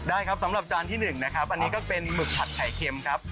ได้ครับสำหรับจานที่๑นะครับอันนี้ก็เป็นหมึกผัดไข่เค็มครับ